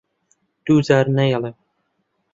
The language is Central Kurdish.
دوو جار نایڵێم.